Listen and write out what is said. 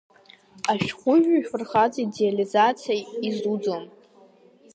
Ашәҟәыҩҩы ифырхаҵа идеализациа изиуӡом.